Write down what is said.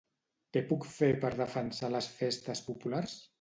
Què puc fer per defensar les festes populars?